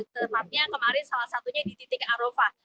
tempatnya kemarin salah satunya di titik arofa